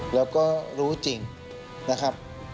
มนะครับ